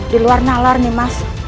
di luar nalar nyemas